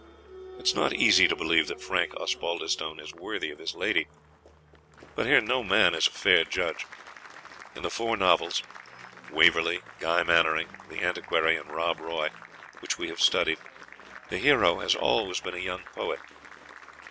It is not easy to believe that Frank Osbaldistone is worthy of his lady; but here no man is a fair judge. In the four novels "Waverley," "Guy Mannering," "The Antiquary," and "Rob Roy" which we have studied, the hero has always been a young poet.